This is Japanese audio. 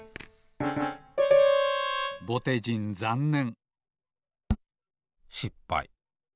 ぼてじんざんねんしっぱい。